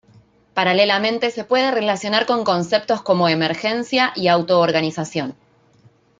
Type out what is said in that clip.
Paralelamente se puede relacionar con conceptos como emergencia y autoorganización.